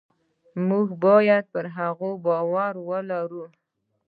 موږ باید پر هغه باور ولرو.